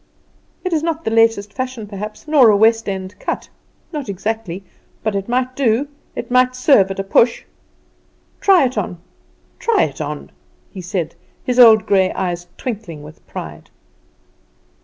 "It's not the latest fashion, perhaps, not a West End cut, not exactly; but it might do; it might serve at a push. Try it on, try it on!" he said, his old grey eyes twinkling with pride.